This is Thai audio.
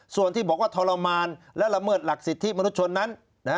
ส่วนที่บอกว่าทรมานและละเมิดหลักสิทธิมนุษยชนนั้น